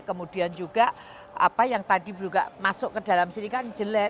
kemudian juga apa yang tadi juga masuk ke dalam sini kan jelek